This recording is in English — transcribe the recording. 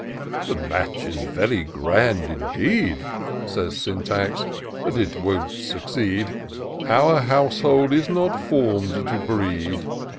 " The m^tch is very grand indeed," Says Syntax, " but it won't succeed ; Our household is not form'd to breed.